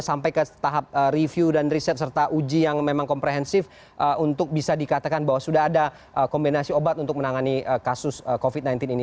sampai ke tahap review dan riset serta uji yang memang komprehensif untuk bisa dikatakan bahwa sudah ada kombinasi obat untuk menangani kasus covid sembilan belas ini